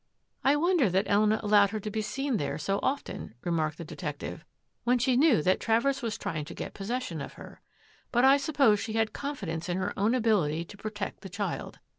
" I wonder that Elena allowed her to be seen there so often," remarked the detective, " when she knew that Travers was trying to get possession of her. But I suppose she had confidence in her own ability to protect the child.